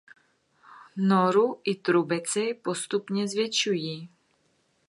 Noru i trubici postupně zvětšují.